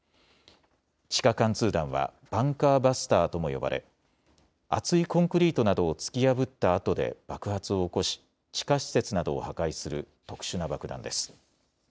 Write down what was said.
地下貫通弾はバンカーバスターとも呼ばれ厚いコンクリートなどを突き破ったあとで爆発を起こし地下施設などを破壊する特殊な爆弾です。